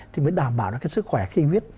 thì mới đảm bảo nó cái sức khỏe khi viết